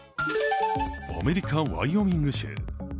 アメリカ・ワイオミング州。